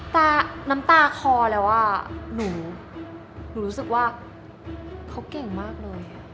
น้ำตาคอแล้วหนูรู้สึกว่าเขาเก่งมากเลย